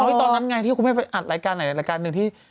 เออเพียงตอนนั้นไงที่คุณไปอัดรายการอัดรายการหนึ่งที่